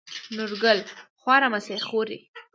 نورګل: خواره مه شې خورې.